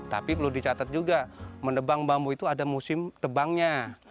tapi perlu dicatat juga mendebang bambu itu ada musim tebangnya